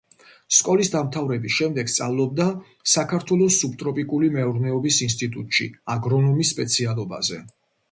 სკოლის დამთავრების შემდეგ სწავლობდა საქართველოს სუბტროპიკული მეურნეობის ინსტიტუტში აგრონომის სპეციალობაზე.